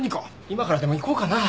今からでも行こうかな。